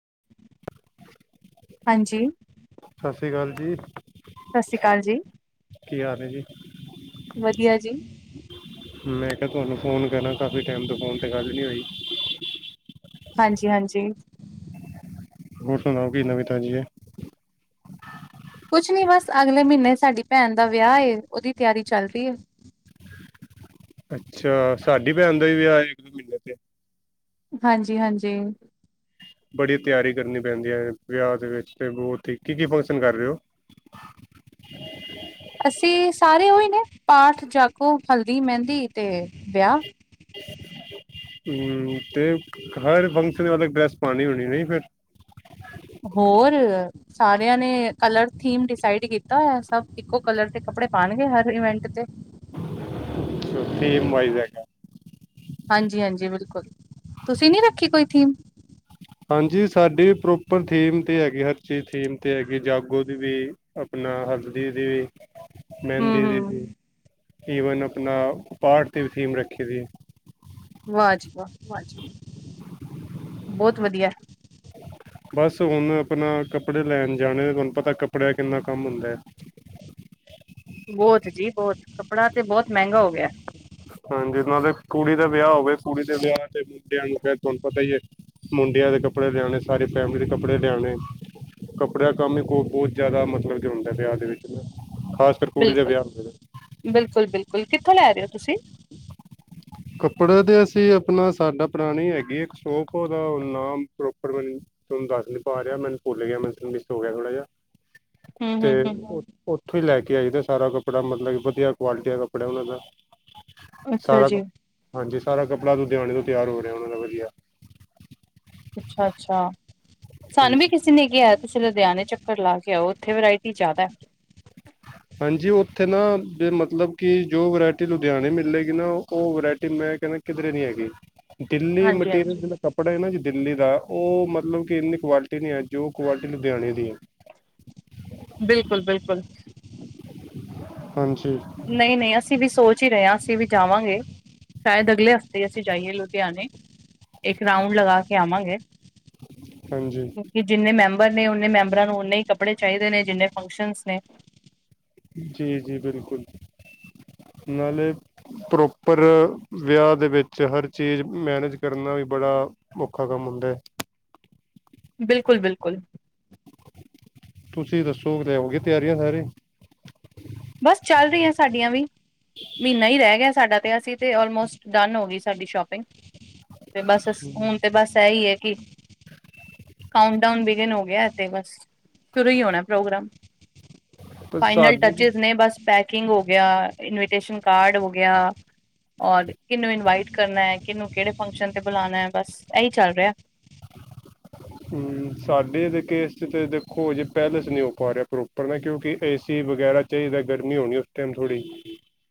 [inaudible] ਹਾਂਜੀ ਸਤਿ ਸ਼੍ਰੀ ਅਕਾਲ ਜੀ ਸਤਿ ਸ੍ਰੀ ਅਕਾਲ ਜੀ ਕੀ ਹਾਲ ਜੀ ਵਧੀਆ ਜੀ ਮੈਂ ਕਿਹਾ ਤੁਹਾਨੂੰ ਫੋਨ ਕਰਾਂ ਕਾਫੀ ਟਾਈਮ ਤੋਂ ਫੋਨ ਤੇ ਗੱਲ ਨੀ ਹੋਈ ਹਾਂਜੀ ਹਾਂਜੀ ਹੋਰ ਸੁਣਾਓ ਕੀ ਨਵੀਤਾ ਜੀ ਹੈ ਕੁਛ ਨਹੀਂ ਬਸ ਅਗਲੇ ਮਹੀਨੇ ਸਾਡੀ ਭੈਣ ਦਾ ਵਿਆਹ ਏ ਉਹਦੀ ਤਿਆਰੀ ਚੱਲ ਰਹੀ ਹੈ ਅੱਛਾ ਸਾਡੀ ਭੈਣ ਦਾ ਹੀ ਵਿਆਹ ਇੱਕ ਦੋ ਮਹੀਨੇ ਤੇ ਹਾਂਜੀ ਹਾਂਜੀ ਬੜੀ ਤਿਆਰੀ ਕਰਨੀ ਪੈਂਦੀ ਹੈ ਵਿਆਹ ਦੇ ਵਿੱਚ ਤੇ ਬਹੁਤ ਕੀ ਫੰਕਸ਼ਨ ਕਰ ਰਹੇ ਹੋ [inaudible] ਅਸੀਂ ਸਾਰੇ ਉਹੀ ਨੇ ਪਾਠ ਜਾਕੋ ਹਲਦੀ ਮਹਿੰਦੀ ਤੇ ਵਿਆਹ ਹਮ ਤੇ ਹਰ ਫੰਕਸ਼ਨ ਮਤਲਬ ਡਰੈਸ ਪਾਉਣੀ ਹੋਣੀ ਨਹੀਂ ਫਿਰ ਹੋਰ ਸਾਰਿਆਂ ਨੇ ਕਲਰ ਥੀਮ ਡਿਸਾਈਡ ਕੀਤਾ ਸਭ ਇੱਕੋ ਕਲਰ ਦੇ ਕੱਪੜੇ ਪਾਉਣਗੇ ਹਰ ਇਵੈਂਟ ਤੇ ਥਮ ਵਾਈਗਾ ਹਾਂਜੀ ਹਾਂਜੀ ਬਿਲਕੁਲ ਤੁਸੀਂ ਨੀ ਰੱਖੀ ਕੋਈ ਥੀਮ ਹਾਂਜੀ ਸਾਡੀ ਪ੍ਰੋਪਰ ਥੀਮ ਤੇ ਹੈਗੀ ਹਰ ਚੀਜ਼ ਥੀਮ ਤੇ ਹੈਗੀ ਜਾਗੋ ਦੀ ਵੀ ਆਪਣਾ ਹਲਦੀ ਦੀ ਵੀ ਮਹਿੰਦੀ ਦੀ ਹੂੰ-ਹੂੰ, ਵੀ ਈਵਨ ਆਪਣਾ ਪਾਰਟ ਦੀ ਵੀ ਥੀਮ ਰੱਖੀ ਦੀ ਏ ਵਾ ਜੀ ਵਾ ਵਾਜ ਬਹੁਤ ਵਧੀਐ ਬਸ ਹੁਣ ਆਪਣਾ ਕੱਪੜੇ ਲੈਣ ਜਾਣੇ ਤੁਹਾਨੂੰ ਪਤਾ ਕੱਪੜਿਆਂ ਕਿੰਨਾ ਕੰਮ ਹੁੰਦਾ ਹੈ [unintelligible] ਬਹੁਤ ਜੀ ਬਹੁਤ, ਕੱਪੜਾ ਤੇ ਬਹੁਤ ਮਹਿੰਗਾ ਹੋ ਗਿਆ ਹਾਂਜੀਨਾਂ ਦੇ ਕੁੜੀ ਦਾ ਵਿਆਹ ਹੋਵੇ ਕੁੜੀ ਦੇ ਵਿਆਹ ਤੇ ਮੁੰਡਿਆਂ ਨੂੰ ਫੇਰ ਤੁਹਾਨੂੰ ਪਤਾ ਹੀ ਹੈ ਮੁੰਡੇ ਦੇ ਕੱਪੜੇ ਲਿਆਣੇ ਸਾਰੀ ਫੈਮਿਲੀ ਦੇ ਕੱਪੜੇ ਲਿਆਣੇ ਕੱਪੜਿਆਂ ਕੰਮ ਹੀ ਬਹੁਤ ਜ਼ਿਆਦਾ ਮਤਲਬ ਕਿ ਹੁੰਦੈ ਵਿਆਹ ਦੇ ਵਿੱਚ ਨਾ ਖਾਸ ਕਰ ਕੁੜੀ ਦੇ ਬਿਲਕੁਲ ਵਿਆਹ ਹੋਵੇ ਬਿਲਕੁਲ ਬਿਲਕੁਲ ਕਿੱਥੋਂ ਲੈ ਰਹੇ ਹੋ ਤੁਸੀਂ ਕੱਪੜਾ ਤੇ ਅਸੀਂ ਆਪਣਾ ਸਾਡਾ ਪੁਰਾਣੀ ਹੈਗੀ ਇੱਕ ਸ਼ੌਕ ਉਹਦਾ ਹੁਣ ਨਾਮ ਪ੍ਰੋਪਰ ਮ ਤੇਨੂੰ ਦੱਸ ਨੀ ਪਾ ਰਿਹਾ ਮੈਨੂੰ ਭੁੱਲ ਗਿਆ ਮੈ ਮਿੱਸ ਹੋ ਗਿਆ ਥੋੜਾ ਜਿਹਾ ਹਮ ਤੇ ਹਮ ਹਮ ਉੱਥੋਂ ਹੀ ਲੈ ਕੇ ਆਈਦੈ ਸਾਰਾ ਕੱਪੜਾ ਮਤਲਬ ਕਿ ਵਧੀਆ ਕੁਆਲਟੀ ਦਾ ਕੱਪੜਾ ਉਹਨਾਂ ਦਾ ਅੱਛਾ ਸਾਰਾ ਕ ਜੀ ਹਾਂਜੀ ਸਾਰਾ ਕੱਪੜਾ ਲੁਧਿਆਣੇ ਤੋਂ ਤਿਆਰ ਹੋ ਰਿਹਾ ਉਹਨਾਂ ਦਾ ਵਧੀਆ ਅੱਛਾ-ਅੱਛਾ। ਸਾਨੂੰ ਵੀ ਹਾਂਜੀ। ਕਿਸੇ ਨੇ ਕਿਹਾ ਤੁਸੀਂ ਲੁਧਿਆਣੇ ਚੱਕਰ ਲਾ ਕੇ ਆਓ ਉੱਥੇ ਵੈਰਾਇਟੀ ਜ਼ਿਆਦੈ। ਹਾਂਜੀ ਉੱਥੇ ਨਾ ਮਤਲਬ ਕਿ ਜੋ ਵਰਾਇਟੀ ਲੁਧਿਆਣੇ ਮਿਲੇਗੀ ਨਾ ਉਹ ਵਰਾਇਟੀ ਮੈਂ ਕਹਿੰਦਾ ਕਿਧਰੇ ਨੀ ਹੈਗੀ ਦਿੱਲੀ ਮਟੀਰੀਅਲ ਹਾਂਜੀ-ਹਾਂਜੀ, ਜਿਹੜਾ ਕੱਪੜਾ ਹੈ ਨਾ ਜੀ ਦਿੱਲੀ ਦਾ ਉਹ ਮਤਲਬ ਕਿ ਇੰਨੀ ਕੁਆਲਿਟੀ ਨੇ ਹੈ ਜੋ ਕੁਆਲਿਟੀ ਲੁਧਿਆਣੇ ਦੀ ਹੈ ਬਿਲਕੁਲ ਬਿਲਕੁਲ ਹਾਂਜੀ। ਨਹੀਂ ਨਹੀਂ ਅਸੀਂ ਵੀ ਸੋਚ ਹੀ ਰਹੇ ਹਾਂ ਅਸੀਂ ਵੀ ਜਾਵਾਂਗੇ ਸ਼ਾਇਦ ਅਗਲੇ ਹਫ਼ਤੇ ਅਸੀਂ ਜਾਈਏ ਲੁਧਿਆਣੇ ਇੱਕ ਰਾਊਂਡ ਲਗਾ ਕੇ ਆਵਾਂਗੇ ਹਾਂਜੀ ਕਿਉਂਕਿ ਜਿੰਨੇ ਮੈਂਬਰ ਨੇ ਓਨੇ ਮੈਂਬਰ ਰ ਨੂੰ ਓਨੇ ਹੀ ਕੱਪੜੇ ਚਾਹੀਦੇ ਨੇ ਜਿੰਨੇ ਫੰਕਸ਼ਨਸ ਨੇ ਜੀ ਜੀ ਬਿਲਕੁਲ ਨਾਲੇ ਪ੍ਰੋਪਰ ਵਿਆਹ ਦੇ ਵਿੱਚ ਹਰ ਚੀਜ਼ ਮੈਨੇਜ ਕਰਨਾ ਬੜਾ ਔਖਾ ਕੰਮ ਹੁੰਦੈ ਬਿਲਕੁਲ ਬਿਲਕੁਲ ਤੁਸੀਂ ਦੱਸੋ ਲਿਆਓਗੇ ਤਿਆਰੀਆਂ ਸਾਰੇ ਬਸ ਚੱਲ ਰਹੀਆਂ ਸਾਡੀਆਂ ਵੀ ਮਹੀਨਾ ਹੀ ਰਹਿ ਗਿਆ ਸਾਡਾ ਤੇ ਅਸੀਂ ਤੇ ਔਲਮੋਸਟ ਡਨ ਹੋ ਗਈ ਸਾਡੀ ਸ਼ੋਪਿੰਗ ਤੇ ਬਸ ਹੁਣ ਤੇ ਬਸ ਇਹੀ ਹੈ ਕਿ ਕਾਊਂਨ ਡਾਊਨ ਬਿਗੇਨ ਹੋ ਵਿਆਹ ਤੇ ਬਸ ਸ਼ੁਰੂ ਹੀ ਹੋਣਾ ਪ੍ਰੋਗਰਾਮ ਪਰ ਸਾਡ ਜੀ ਬਸ ਪੈਕਿੰਗ ਹੋ ਗਿਆ ਇਨਵੀਟੇਸ਼ਨ ਕਾਰਡ ਹੋ ਗਿਆ ਔਰ ਕਿਹਨੂੰ ਇਨਵਾਈਟ ਕਰਨਾ ਹੈ ਕਿਹਨੂੰ ਕਿਹੜੇ ਫੰਕਸ਼ਨ ਤੇ ਬੁਲਾਨਾ ਹੈ ਬਸ ਇਹੀ ਚੱਲ ਰਿਹਾ ਹਮ ਸਾਡੇ ਦੇ ਕੇਸ ਤੇ ਦੇਖੋ ਹਜੇ ਪੈਲੇਸ ਨਹੀਂ ਹੋ ਪਾ ਰਿਹਾ ਪ੍ਰੋਪਰ ਨਾ ਕਿਉਂਕਿ ਏਸੀ ਵਗੈਰਾ ਚਾਹੀਦਾ ਗਰਮੀ ਹੋਣੀ ਉਸ ਟਾਈਮ ਥੋੜੀ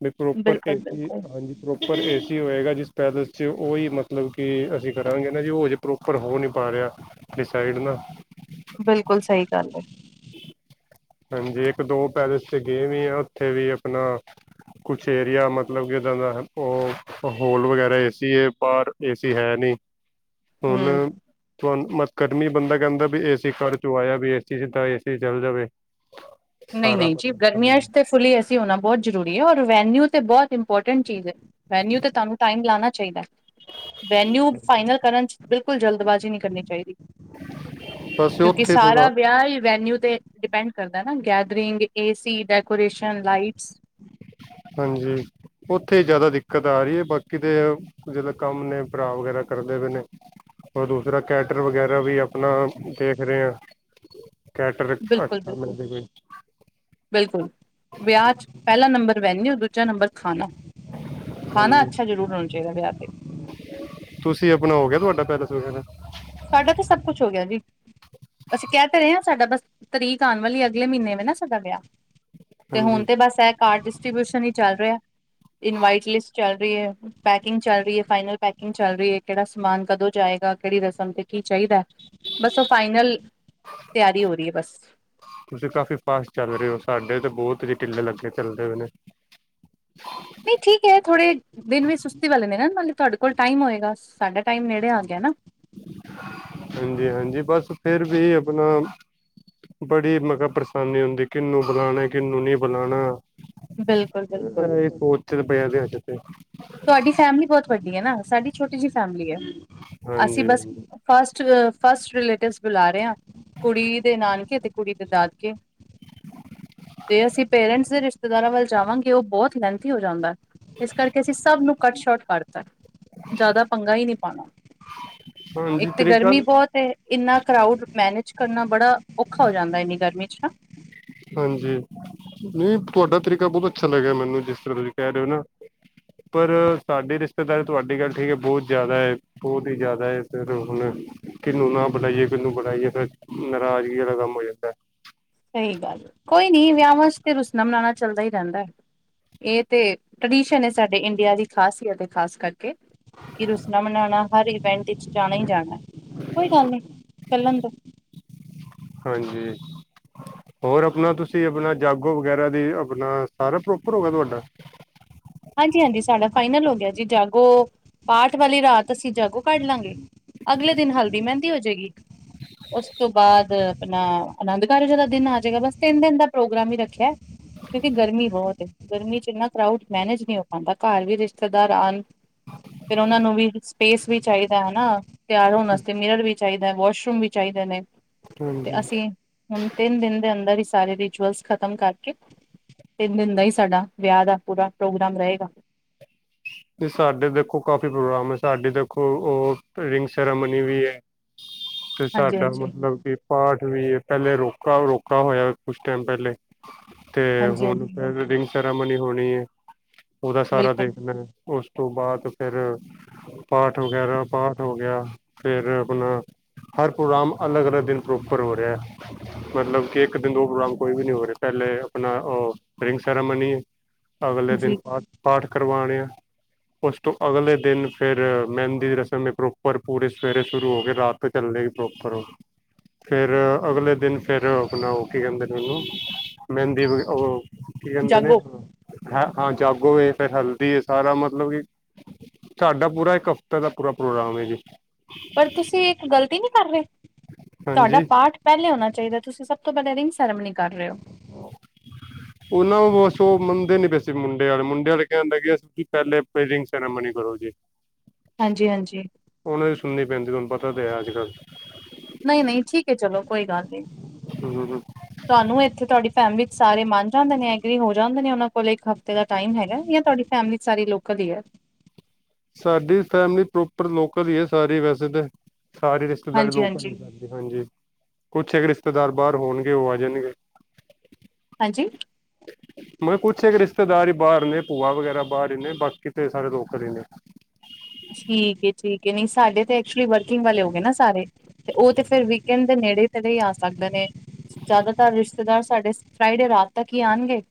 ਵੀ ਪ੍ਰੋਪਰ ਏ ਬਿਲਕੁਲ ਬਿਲਕੁਲ ਹਾਂਜੀ ਪ੍ਰੋਪਰ ਏ ਹੋਏਗਾ ਜਿਸ ਪੈਦਲ ਚ ਉਹੀ ਮਤਲਬ ਕਿ ਅਸੀਂ ਕਰਾਂਗੇ ਨਾ ਜੀ ਉਹ ਹਜੇ ਪ੍ਰੋਪਰ ਹੋ ਨਹੀਂ ਪਾ ਰਿਹਾ ਸਾਈਡ ਨਾ ਬਿਲਕੁਲ ਸਹੀ ਗੱਲ ਹੈ ਹਾਂਜੀ ਇੱਕ ਦੋ ਪੈਲੇਸ ਚ ਗਏ ਵੀ ਆ ਉੱਥੇ ਵੀ ਆਪਣਾ ਕੁਛ ਏਰੀਆ ਮਤਲਬ ਕਿ ਇੱਦਾਂ ਦਾ ਉਹ ਹੋਲ ਵਗੈਰਾ ਏ ਸੀ ਏ ਬਾਹਰ ਏਸੀ ਹੈ ਨਹੀਂ ਹਮ ਹੁਣ ਤੁਹਾਨੂੰ ਮ ਕਰਨੀ ਬੰਦਾ ਕਹਿੰਦਾ ਵੀ ਏਸੀ ਘਰ ਚੋਂ ਆਇਆ ਵੀ ਏਸੀ ਚ ਤਾਂ ਏ ਸੀ ਚੱਲ ਜਾਵੇ ਨਹੀਂ ਸਾਰਾ ਨਹੀਂ ਜੀ ਮਤਲਬ ਗਰਮੀਆਂ ' ਹਾਂਜੀ ਤੇ ਫੁੱਲੀ ਹੋਣਾ ਬਹੁਤ ਜ਼ਰੂਰੀ ਹੈ ਔਰ ਵੈਨਿਊ ਤੇ ਬਹੁਤ ਇੰਪੋਰਟੈਂਟ ਚੀਜ਼ ਹੈ ਵੈਨਿਊ ਤੇ ਤੁਹਾਨੂੰ ਟਾਈਮ ਲਾਣਾ ਚਾਹੀਦੈ ਵੈਨਿਊ ਫਾਈਨਲ ਕਰਨ 'ਚ ਬਿਲਕੁਲ ਜਲਦਬਾਜ਼ੀ ਨਹੀਂ ਕਰਨੀ ਚਾਹੀਦੀ ਬਸ ਕਿਉਂਕਿ ਉੱਥੇ ਸਾਰਾ ਥੋੜਾ ਵਿਆਹ ਹੀ ਵੈਨਿਊ ਤੇ ਡਿਪੈਂਡ ਕਰਦਾ ਨਾ ਗੈਦਰਿੰਗ ਏਸੀ ਡੈਕੋਰੇਸ਼ਨ ਲਾਈਟਸ ਹਾਂਜੀ ਉੱਥੇ ਜ਼ਿਆਦਾ ਦਿੱਕਤ ਆ ਰਹੀ ਹੈ ਬਾਕੀ ਦੇ ਜਦੋਂ ਕੰਮ ਨੇ ਭਰਾ ਵਗੈਰਾ ਕਰਦੇ ਪਏ ਨੇ ਰ ਦੂਸਰਾ ਕੈਟਰ ਵਗੈਰਾ ਵੀ ਆਪਣਾ ਦੇਖ ਰਹੇ ਹ ਬਿਲਕੁਲ ਬਿਲਕੁਲ ਬਿਲਕੁਲ ਵਿਆਹ ' ਪਹਿਲਾ ਨੰਬਰ ਵਨਿਉ ਦੂਜਾ ਨੰਬਰ ਖਾਣਾ ਖਾਣਾ ਅੱਛਾ ਹਾਂਜੀ ਜ਼ਰੂਰ ਹੋਣਾ ਚਾਹੀਦਾ ਵਿਆਹ ਤੇ ਤੁਸੀਂ ਅਪਣਾਓਗੇ ਤੁਹਾਡਾ ਪੈਲੇਸ ਵਗੈਰਾ ਸਾਡਾ ਤੇ ਸਭ ਕੁਛ ਹੋ ਗਿਆ ਜੀ ਅਸੀਂ ਕਹਿ ਤੇ ਰਹੇ ਹਾਂ ਸਾਡਾ ਬਸ ਤਰੀਕ ਆਉਣ ਵਾਲੀ ਅਗਲੇ ਮਹੀਨੇ ਵ ਨਾ ਸਾਡਾ ਵਿਆਹ ਤੇ ਹੁਣ ਹਾਂਜੀ ਤੇ ਬਸ ਇਹ ਕਾਰਡ ਡਿਸਟਰੀਬਿਊਸ਼ਨ ਹੀ ਚੱਲ ਰਿਹਾ ਇਨਵਾਟ ਲਿਸਟ ਚੱਲ ਰਹੀ ਹੈ ਪੈਕਿੰਗ ਚੱਲ ਰਹੀ ਹੈ ਫਾਈਨਲ ਪੈਕਿੰਗ ਚੱਲ ਰਹੀ ਹੈ ਕਿਹੜਾ ਸਮਾਨ ਕਦੋਂ ਜਾਏਗਾ ਕਿਹੜੀ ਰਸਮ ਤੇ ਕੀ ਚਾਹੀਦਾ ਬਸ ਉਹ ਫਾਈਨਲ ਤਿਆਰੀ ਹੋ ਰਹੀ ਹੈ ਬਸ। ਤੁਸੀਂ ਕਾਫੀ ਫਾਸਟ ਚੱਲ ਰਹੇ ਹੋ ਸਾਡੇ ਤੇ ਬਹੁਤ ਢਿੱਲ ਲੱਗੇ ਚੱਲਦੇ ਹੋ ਨੇ ਨਹੀਂ ਠੀਕ ਹੈ ਥੋੜੇ ਦਿਨ ਵੀ ਸੁਸਤੀ ਵਾਲੇ ਨੇ ਨਾ ਨਾਲੇ ਤੁਹਾਡੇ ਕੋਲ ਟਾਈਮ ਹੋਏਗਾ ਸਾਡਾ ਟਾਈਮ ਨੇੜੇ ਆ ਗਿਆ ਨਾ ਹਾਂਜੀ ਹਾਂਜੀ ਬਸ ਫੇਿਰ ਵੀ ਆਪਣਾ ਬੜੀ ਮੈ ਕਿਹਾ ਪਰੇਸ਼ਾਨੀ ਆਉਦੀ ਕਿਨੂੰ ਬੁਲਾਉਣਾ ਕਿਹਨੂੰ ਨਹੀਂ ਬੁਲਾਉਣਾ ਬਿਲਕੁਲ ਬਿਲਕੁਲ ਬੜਿਆ ਦੇ ਹੇ ਤੁਹਾਡੀ ਫੈਮਿਲੀ ਬਹੁਤ ਵੱਡੀ ਹੈ ਨਾ ਸਾਡੀ ਛੋਟੀ ਜਿਹੀ ਫੈਮਿਲੀ ਹੈ ਅਸੀਂ ਹਾਂਜੀ ਬਸ ਹਾਂਜੀ ਫਸਟ ਫਸਟ ਰਿਲੇਟਿਵਸ ਬੁਲਾ ਰਹੇ ਹ ਕੁੜੀ ਦੇ ਨਾਨਕੇ ਤੇ ਕੁੜੀ ਦੇ ਦਾਦਕੇ ਤੇ ਅਸੀਂ ਪੇਰੈਂਟਸ ਦੇ ਰਿਸ਼ਤੇਦਾਰਾਂ ਵੱਲ ਜਾਵਾਂਗੇ ਉਹ ਬਹੁਤ ਹੀ ਲਹਨਤੀ ਹੋ ਜਾਂਦਾ ਇਸ ਕਰਕੇ ਕਿ ਅਸੀਂ ਸਭ ਨੂੰ ਕੱਟ ਸ਼ੋਟ ਕਰਤਾ ਜ਼ਿਆਦਾ ਪੰਗਾ ਹੀ ਨਹੀਂ ਪਾਉਣਾ ਹਾਂਜੀ ਇੱਕ ਤਾਂ ਤਰੀਕਾ ਗਰਮੀ ਬਹੁਤ ਇੰਨਾ ਕਰਾਊਡ ਮੈਨੇਜ ਕਰਨਾ ਬੜਾ ਔਖਾ ਹੋ ਜਾਂਦਾ ਇਨੀ ਗਰਮੀ ਚ ਹਨ ਹਾਂਜੀ ਨਹੀਂ ਤੁਹਾਡਾ ਤਰੀਕਾ ਬਹੁਤ ਅੱਛਾ ਲੱਗਿਆ ਮੈਨੂੰ ਜਿਸ ਤਰ੍ਹਾਂ ਤੁਸੀਂ ਕਹਿ ਰਹੇ ਹੋ ਨਾ ਪਰ ਸਾਡੇ ਰਿਸ਼ਤੇਦਾਰੀ ਤੁਹਾਡੀ ਗੱਲ ਠੀਕ ਹੈ ਬਹੁਤ ਜ਼ਿਆਦਾ ਹੈ ਬਹੁਤ ਹੀ ਜ਼ਿਆਦਾ ਹੈ ਫ ਹੁਣ ਕਿਹਨੂੰ ਨਾ ਬਣਾਈਏ ਕਿਨੂੰ ਬਣਾਈਏ ਫ ਨਾਰਾਜ਼ਗੀ ਵਾਲਾ ਕੰਮ ਹੋ ਜਾਂਦਾ ਸਹੀ ਗੱਲ ਕੋਈ ਨੀ ਵਿਆਹਾਂ ਚ ਤੇ ਰੁਸਨਾ ਬਣਾਉਣਾ ਚੱਲਦਾ ਹੀ ਰਹਿੰਦਾ ਹੈ ਇਹ ਤੇ ਟ੍ਰਡੀਸ਼ਨ ਹੈ ਸਾਡੇ ਇੰਡੀਆ ਦੀ ਖਾਸੀਅਤਏ ਖਾਸ ਕਰਕੇ ਕਿ ਰੁਸਨਾ ਮਨਾਉਣਾ ਹਰ ਇਵੈਂਟ ਵਿੱਚ ਜਾਣਾ ਹੀ ਜਾਣਾ ਹੈ ਕੋਈ ਗੱਲ ਨੀ ਚੱਲਣ ਦ ਹਾਂਜੀ ਹੋਰ ਆਪਣਾ ਤੁਸੀਂ ਆਪਣਾ ਜਾਗੋ ਵਗੈਰਾ ਦੀ ਆਪਣਾ ਸਾਰਾ ਪ੍ਰੋਪਰ ਹੋਗਾ ਤੁਹਾਡਾ ਹਾਂਜੀ ਹਾਂਜੀ ਸਾਡਾ ਫਾਈਨਲ ਹੋ ਗਿਆ ਜੀ ਜਾਗੋ ਪਾਠ ਵਾਲੀ ਰਾਤ ਅਸੀਂ ਜਾਗੋ ਕੱਢ ਲਾਂਗੇ ਅਗਲੇ ਦਿਨ ਹਲਦੀ ਮਹਿੰਦੀ ਹੋਜਏਗੀ ਇੱਕ ਉਸ ਤੋਂ ਬਾਅਦ ਆਪਣਾ ਆਨੰਦ ਕਾਰਜ ਦਾ ਦਿਨ ਆ ਜਾਏਗਾ ਬਸ ਤਿੰਨ ਦਿਨ ਦਾ ਪ੍ਰੋਗਰਾਮ ਹੀ ਰੱਖਿਆ ਕਿਉਂਕਿ ਗਰਮੀ ਬਹੁਤ ਹੈ ਗਰਮੀ ਚ ਇੰਨਾ ਕਰਾਊਡ ਮੈਨੇਜ ਨਹੀਂ ਹੋ ਪਾਉਂਦਾ ਘਰ ਵੀ ਰਿਸ਼ਤੇਦਾਰ ਆਉਣ ਫਿਰ ਉਹਨਾਂ ਨੂੰ ਵੀ ਸਪੇਸ ਵੀ ਚਾਹੀਦਾ ਹਨਾ ਤਿਆਰ ਹੋਣ ਵਾਸਤੇ ਮਿਰਰ ਵੀ ਚਾਹੀਦਾ ਵਾਸ਼ਰੂਮ ਵੀ ਚਾਹੀਦਾ ਨੇ ਤੇ ਹਾਂਜੀ ਅਸੀਂ ਹੁਣ ਤਿੰਨ ਦਿਨ ਦੇ ਅੰਦਰ ਹੀ ਸਾਰੇ ਰਿਚੁਅਲਸ ਖ਼ਤਮ ਕਰਕੇ ਤਿੰਨ ਦਿਨ ਦਾ ਹੀ ਸਾਡਾ ਵਿਆਹ ਦਾ ਪੂਰਾ ਪ੍ਰੋਗਰਾਮ ਰਹੇਗਾ ਸਾਡੇ ਦੇਖੋ ਕਾਫੀ ਪ੍ਰੋਗਰਾਮ ਹੈ ਸਾਡੇ ਦੇਖੋ ਉਹ ਰਿੰਗ ਸੈਰਾਮਨੀ ਵੀ ਹੈ ਤੇ ਹਾਂਜੀ ਸਾਡਾ ਹਾਂਜੀ ਮਤਲਬ ਕਿ ਪਾਠ ਵੀ ਪਹਿਲੇ ਰੋਕਾ ਰੋਕਾ ਹੋਇਆ ਕੁਛ ਟਾਈਮ ਪਹਿਲੇ ਤੇ ਹਾਂਜੀ ਹੁਣ ਹਾਂਜੀ ਫੇਰ ਰਿੰਗ ਸੈਰਾਮਨੀ ਹੋਣੀ ਹੈ ਉਹਦਾ ਸਾਰਾ ਬਿਲਕੁਲ ਦੇਖਣਾ। ਉਸ ਤੋਂ ਬਾਅਦ ਫਿਰ ਪਾਠ ਵਗੈਰਾ ਪਾਠ ਹੋ ਗਿਆ ਫਿਰ ਆਪਣਾ। ਹਰ ਪ੍ਰੋਗਰਾਮ ਅਲੱਗ ਅਲੱਗ ਦਿਨ ਪ੍ਰੋਪਰ ਹੋ ਰਿਹਾ ਹੈ। ਮਤਲਬ ਕਿ ਇੱਕ ਦਿਨ ਦੋ ਪ੍ਰੋਗਰਾਮ ਕੋਈ ਵੀ ਨਹੀਂ ਹੋ ਰਿਹਾ ਪਹਿਲੇ ਆਪਣਾ ਰਿੰਗ ਸੈਰਾਮਨੀ। ਅਗਲੇ ਦਿਨ ਜੀ ਪਾ ਪਾਠ ਕਰਵਾਉਣੇ ਆ। ਉਸ ਤੋਂ ਅਗਲੇ ਦਿਨ ਫੇਰ ਮਹਿੰਦੀ ਦੀ ਰਸਮ ਏ ਪ੍ਰੋਪਰ ਪੂਰੇ ਸਵੇਰੇ ਸ਼ੁਰੂ ਹੋ ਕੇ ਰਾਤ ਤਕ ਚੱਲੇ। ਰੋ ਕਰੋ ਫੇਰ ਅਗਲੇ ਦਿਨ ਫੇਰ ਆਪਣਾ ਉਹ ਕੀ ਕਹਿੰਦੇ ਨੇ ਉਹਨੂੰ ਮਹਿੰਦੀ ਉਹ। ਕੀ ਕਹਿੰਦੇ ਨੇ ਜਾਗੋ ਹਾਂ ਹਾਂ ਜਾਗੋ ਇਹ ਫੇਰ ਹੈਲਦੀ। ਸਾਰਾ ਮਤਲਬ ਕਿ ਸਾਡਾ ਪੂਰਾ ਇੱਕ ਹਫ਼ਤੇ ਦਾ ਪੂਰਾ ਪ੍ਰੋਗਰਾਮ ਹੈ ਜੀ। ਪਰ ਤੁਸੀਂ ਇੱਕ ਗ਼ਲਤੀ ਨਹੀਂ ਕਰ ਰਹੇ ਤੁਹਾਡਾ ਹਾਂਜੀ ਪਾਠ ਪਹਿਲੇ ਹੋਣਾ ਚਾਹੀਦਾ ਤੁਸੀਂ ਸਭ। ਬੇ ਰਿੰਗਸ ਉਹ ਨਾਂ ਬਸ ਓ ਕਦੇ ਨੀ ਵੇਸੇ ਮੁੰਡੇ ਵਾਲੇ ਮੁੰਡੇ ਵਾਲੇ ਕਹਿੰਦੇ ਕਿ ਪਹਿਲੇ ਰਿੰਗ ਸੈਰੇਮਨੀ ਕਰੋ ਜੇ। ਹਾਂਜੀ ਹਾਂਜੀ ਉਹਨਾਂ ਦੀ ਸੁਣਨੀ ਪੈਂਦੀ ਤੁਹਾਨੂੰ ਪਤਾ ਤੇ ਹੈ ਅੱਜ ਕੱਲ। ਨਹੀਂ ਨਹੀਂ ਠੀਕ ਹੈ ਚਲੋ ਕੋਈ ਗੱਲ ਨੀ। ਕੱਲ੍ਹ ਤੁਹਾਨੂੰ ਇੱਥੇ ਤੁਹਾਡੀ ਫੈਮਿਲੀ ਚ ਸਾਰੇ ਮੰਨ ਜਾਂਦੇ ਨੇ ਐਗਰੀ ਹੋ ਜਾਂਦੇ ਨੇ ਉਹਨਾਂ ਕੋਲ ਇੱਕ ਹਫ਼ਤੇ ਦਾ ਟਾਈਮ ਹੈਗਾ ਯਾ ਤੁਹਾਡੀ। ਫੈਮਲੀ ਸਾਰੀ ਲੋਕਲ ਹੀ ਹੈ। ਸਾਡੀ ਫੈਮਲੀ ਪ੍ਰੋਪਰ ਲੋਕਲ ਹੀ ਹੈ ਸਾਰੀ ਵੈਸੇ ਤੇ। ਸਾਰੀ ਰਿਸ਼ਤੇਦਾਰੀ ਲੋਕਲ ਹਾਂਜੀ-ਹਾਂਜੀ, ਹੀ ਸਾਡੀ ਹਾਂਜੀ ਕੁਛ ਹੈਗੇ। ਰਿਸ਼ਤੇਦਾਰ ਬਾਹਰ ਹੋਣਗੇ ਉਹ ਆ ਜਾਣਗੇ। ਹਾਂਜੀ। ਮੈਂ ਕੁੱਛ ਇੱਕ ਰਿਸ਼ਤੇਦਾਰ ਹੀ ਬਾਹਰ ਨੇ ਭੂਆ ਵਗੈਰਾ ਬਾਹਰ ਹੀ ਨੇ ਬਾਕੀ ਤੇ ਸਾਰੇ ਲੋਕ ਹੀ ਨੇ। ਠੀਕ ਏ ਠੀਕ ਏ ਨਹੀਂ ਸਾਡੇ ਤੇ ਐਕਚੁਲੀ ਵਰਕਿੰਗ ਵਾਲੇ ਹੋ ਗਏ ਨਾ ਸਾਰੇ। ਤੇ ਉਹ ਤੇ ਫਿਰ ਵੀਕਐਂਡ ਦੇ ਨੇੜੇ ਤੇੜੇ ਹੀ ਆ ਸਕਦੇ ਨੇ ਜ਼ਿਆਦਾਤਰ ਰਿਸ਼ਤੇਦਾਰ ਸਾਡੇ ਫਰਾਈਡੇ ਰਾਤ ਤੱਕ ਹੀ ਆਉਣਗੇ।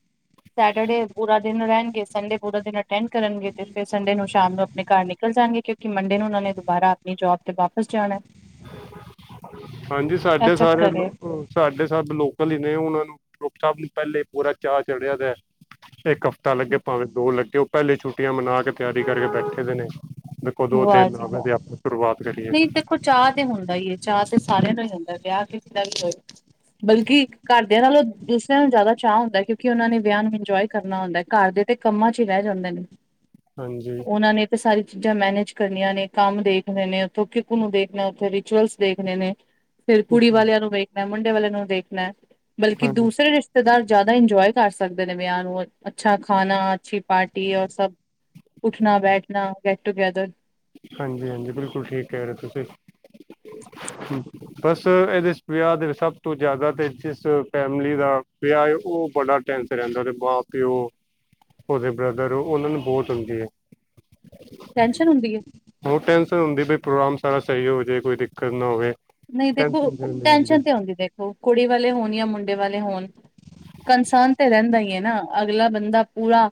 ਸੈਟਰਡੇ ਪੂਰਾ ਦਿਨ ਰਹਿਣਗੇ ਸੰਡੇ ਪੂਰਾ ਦਿਨ ਅਟੈਂਡ ਕਰਨਗੇ ਤੇ ਫਿਰ ਸੰਡੇ ਨੂੰ ਸ਼ਾਮ ਨੂੰ ਆਪਣੇ ਘਰ ਨ। ਨਿਕਲ ਜਾਣਗੇ ਕਿਉਂਕਿ ਮੰਡੇ ਨੂੰ ਉਹਨਾਂ ਨੇ ਦੁਬਾਰਾ ਆਪਣੀ ਜੋਬ ਤੇ ਵਾਪਿਸ ਜਾਣਾ। [inaudible] ਹਾਂਜੀ ਇਹ ਸਾਡੇ ਸਾਰੇ ਚੱਕਰ ਏ, ਲੋ ਸਾਡੇ ਸਭ ਲੋਕਲ ਹੀ ਨੇ ਉਹਨਾਂ ਨੂੰ ਰੋ। ਪਹਿਲੇ ਪੂਰਾ ਚਾਅ ਚੜਿਆ ਦਾ ਇੱਕ ਹਫ਼ਤਾ ਲੱਗੇ ਭਾਵੇਂ ਦੋ ਲੱਗੇ। ਪਹਿਲੇ ਛੁੱਟੀਆਂ ਮਨਾ ਕੇ ਤਿਆਰੀ ਕਰਕੇ ਬੈਠੇ ਦੇ ਨੇ ਦੇਖੋ ਓ ਵਾਹ ਦਿਨ ਜੀ ਵਾਹ। ਆਵੇ ਆਪਾਂ ਸ਼ੁਰੂਆਤ। ਕਰੀਏ ਨਹੀਂ ਦੇਖੋ ਚਾਅ ਤੇ ਹੁੰਦਾ ਹੀ ਹੈ ਚਾਅ ਤੇ ਸਾਰਿਆਂ ਦਾ ਹੀ ਹੁੰਦਾ ਵਿਆਹ ਕਿਸੇ ਦਾ ਵੀ ਹੋਏ। ਬਲਕਿ ਘਰਦਿਆਂ ਨਾਲੋਂ ਦੂਸਰਿਆਂ ਨੂੰ ਜ਼ਿਆਦਾ ਚਾਅ ਹੁੰਦਾ ਹੈ ਕਿਉਂਕਿ ਉਹਨਾਂ ਨੇ ਵਿਆਹ ਨੂੰ ਇੰਜੋਏ ਕਰਨਾ ਹੁੰਦਾ ਹੈ ਘਰ ਦੇ। ਕੰਮਾਂ ਚ ਹੀ ਰਹਿ ਜਾਂਦੇ ਨੇ। ਹਾਂਜੀ। ਉਹਨਾਂ ਨੇ ਸਾਰੀ ਚੀਜ਼ਾਂ ਮੈਨੇਜ ਕਰਨੀਆਂ ਨੇ ਕੰਮ ਦੇਖਨੇ ਨੇ। ਉਥੋਂ ਕਿਕੂ ਨੂੰ ਦੇਖਣਾ ਉੱਥੇ ਰਿਚੁਅਲਸ ਦੇਖਣੇ ਨੇ ਫੇਰ ਕੁੜੀ ਵਾਲਿਆਂ ਨੂੰ ਵੇਖ। ਮੁੰਡੇ ਵਾਲੇ ਨੂੰ ਦੇਖਣਾ ਬਲਕਿ ਹਾਂਜੀ ਦੂਸਰੇ ਰਿਸ਼ਤੇਦਾਰ ਜ਼ਿਆਦਾ ਇੰਜੋਏ। ਕਰ ਸਕਦੇ ਨੇ ਵਿਆਹ ਨੂੰ ਅੱਛਾ ਖਾਣਾ ਅੱਛੀ ਪਾਰਟੀ ਔਰ ਸਭ। ਉੱਠਣਾ ਬੈਠਣਾ ਗੈਟ ਟੂਗੇੈਦਰ। ਹਾਂਜੀ ਹਾਂਜੀ ਬਿਲਕੁਲ ਠੀਕ ਕਹਿ ਰਹੇ ਤੁਸੀਂ। ਬਸ ਇਹਦੇ ਵਿਆਹ ਦੇ ਸਭ ਤੋਂ ਜ਼ਿਆਦਾ ਤੇ ਜਿਸ ਫੈਮਿਲੀ ਦਾ ਵਿਆਹ ਹੈ ਉਹ ਬੜਾ। ਹਰ ਟੇਂਸ਼ਨ ਰਹਿੰਦਾ ਏ ਮਾਂ ਪਿਓ ਉਹਦੇ ਬ੍ਰਦਰ ਉਹਨਾ ਨੂੰ ਬਹੁਤ ਹੁੰਦੀ ਹੈ। ਟੈਨਸ਼ਨ ਹੁੰਦੀ ਹੈ ਉਹ ਟੈਂਨਸ਼ਨ ਹੁੰਦੀ ਬਈ ਪ੍ਰੋਗਰਾਮ ਸਾਰਾ ਸਹੀ ਹੋ ਜੈ ਕੋਈ ਦਿੱਕਤ ਨਾ ਹੋਵੇ। ਨਹੀਂ ਦੇਖੋ ਟੈਨਸ਼ਨ ਹੁੰਦੀ ਰਹਿੰਦੀ ਟੈਨਸ਼ਨ ਤੇ ਹੁੰਦੀ ਦੇਖੋ ਕੁੜੀ ਵਾਲੇ ਹੋਣ ਜਾਂ ਮੁੰਡੇ ਵਾਲੇ ਹੋਣ। ਕੰਸਰਨ ਤੇ ਰਹਿੰਦਾ ਹੀ ਹੈ ਨਾ ਅਗਲਾ ਬੰਦਾ ਪੂਰਾ।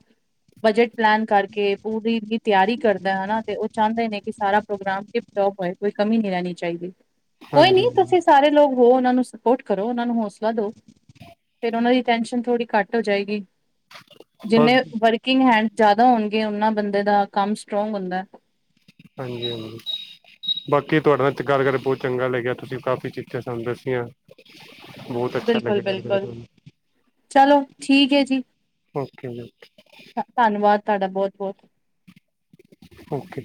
ਬਜਟ ਪਲਾਨ ਕਰਕੇ ਪੂਰੀ ਤਿਆਰੀ ਕਰਦਾ ਹੈਨਾ ਤੇ ਉਹ ਚਾਹੁੰਦੇ ਨੇ ਕਿ ਸਾਰਾ ਪ੍ਰੋਗਰਾਮ। ਕੋਈ ਕਮੀ ਨਹੀਂ ਰਹਿਣੀ ਚਾਹੀਦੀ ਕੋਈ ਹਾਂਜੀ ਨਹੀਂ ਤੁਸੀਂ ਸਾਰੇ ਲੋਕ। ਹੋ ਉਹਨਾਂ ਨੂੰ ਸਪੋਰਟ ਕਰੋ ਉਹਨਾਂ ਨੂੰ ਹੌਸਲਾ ਦੋ ਫੇਰ ਉਹਨਾਂ ਦੀ ਟੈਨਸ਼ਨ ਥੋੜੀ ਘੱਟ ਹੋ ਜਾਏਗੀ। ਬਸ ਜਿੰਨੇ ਹਾਂਜੀ ਵਰਕਿੰਗ ਹੈ ਜ਼ਿਆਦਾ ਹੋਣਗੇ ਉਹਨਾਂ ਬੰਦੇ ਦਾ ਕੰਮ ਸਟਰੋਂਗ ਹੁੰਦਾ। ਹਾਂਜੀ, ਹਾਂਜੀ ਬਾਕੀ ਕੀ ਤੁਹਾਡੇ ਨਾਲ ਗੱਲ ਕਰੇ ਬਹੁਤ ਚੰਗਾ ਲੱਗਿਆ ਤੁਸੀਂ ਕਾਫੀ ਚੀਜਾਂ ਸਾਨੂੰ ਦੱਸੀਆਂ। ਬਹੁਤ ਅੱਛਾ ਬਿਲਕੁਲ ਲੱਗਿਆ ਤੁਹਾਡੇ ਬਿਲਕੁਲ ਨਾਲ ਚਲੋ ਠੀਕ ਹੈ ਜੀ। ਓਕੇ ਜੀ ਧੰਨਵਾਦ ਤੁਹਾਡਾ ਬਹੁਤ, ਬਹੁਤ ਓਕੇ।